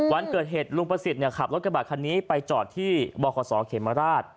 วันเกิดเหตุลุงประสิทธิ์ขับรถกระบาดคันนี้ไปจอดที่บขเขมราช